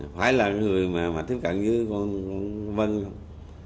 phải là người mà tiếp cận với con vân không